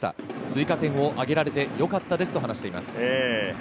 追加点を挙げられてよかったですと話しています。